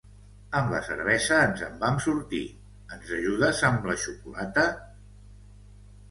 Amb la cervesa ens en vam sortir, ens ajudes amb la xocolata?